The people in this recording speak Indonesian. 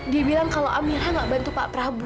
dia bilang kalau amirah gak bantu pak prabu